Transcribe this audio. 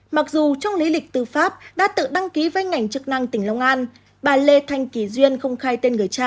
mặc dù trong lý lịch tư pháp đã tự đăng ký với ngành chức năng tỉnh long an bà lê thanh kỳ duyên không khai tên người cha